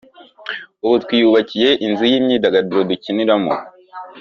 ubu twiyubakiye inzu y’imyidagaduro dukiniramo